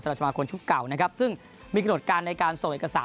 สมาคมชุดเก่านะครับซึ่งมีขนดการณ์ในการส่งเอกสาร